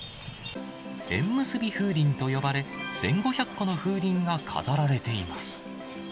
縁結び風鈴と呼ばれ、１５００個の風鈴が飾られています。